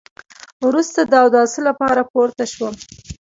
وروسته د اوداسه لپاره پورته شوم.